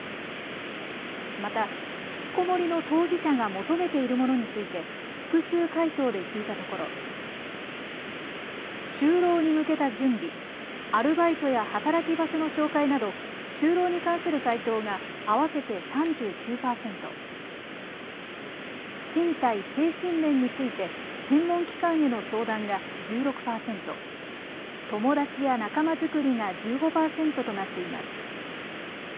また、ひきこもりの当事者が求めているものについて複数回答で聞いたところ就労に向けた準備、アルバイトや働き場所の紹介など就労に関する回答が合わせて３９％、身体・精神面について専門機関への相談が１６％、友だちや仲間作りが１５％となっています。